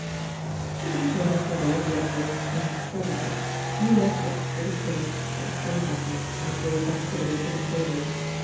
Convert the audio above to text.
She consented to write the advertisement pres» ently ; and he left it, with a shilling, at The Stage oflSce on his way back to the rickety table.